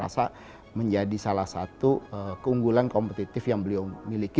rasa menjadi salah satu keunggulan kompetitif yang beliau miliki